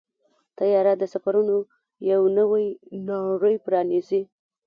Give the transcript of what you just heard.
طیاره د سفرونو یو نوې نړۍ پرانیزي.